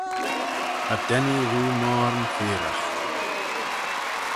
Cha dennee rieau moyrn feayraght